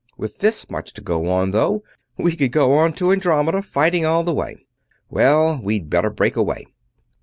With this much to go on, though, we could go to Andromeda, fighting all the way. Well, we'd better break away."